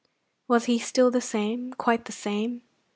Was he still the same, quite the same?